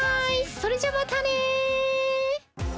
それじゃまたね！